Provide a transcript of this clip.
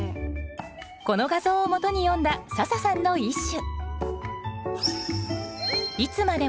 この画像をもとに詠んだ笹さんの一首